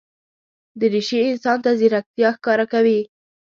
دریشي انسان ته ځیرکتیا ښکاره کوي.